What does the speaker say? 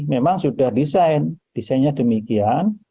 memang sudah desain desainnya demikian